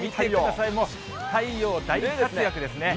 もう太陽、大活躍ですね。